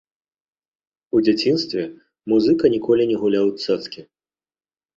У дзяцінстве музыка ніколі не гуляў у цацкі.